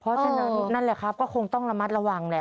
เพราะฉะนั้นนั่นแหละครับก็คงต้องระมัดระวังแหละ